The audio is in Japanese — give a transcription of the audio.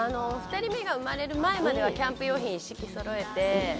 ２人目が生まれる前まではキャンプ用品一式そろえて。